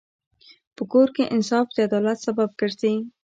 په کور کې انصاف د عدالت سبب ګرځي.